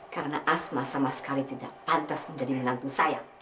karena asma sama sekali tidak pantas menjadi menantu saya